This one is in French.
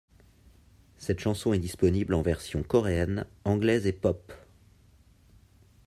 Cette chanson est disponible en version coréenne, anglaise et pop.